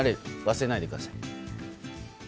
忘れないでください。